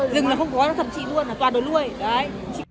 rừng là không có nó thật sự luôn toàn đồ nuôi đấy